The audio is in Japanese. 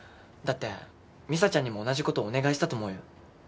だって美沙ちゃんにも同じことお願いしたと思うよ。